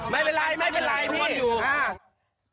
ไม่เป็นไรพี่